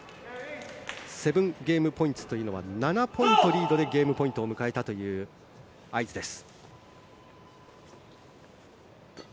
７ゲームポインツというのは７ポイントリードでゲームポイントを迎えたという合図です。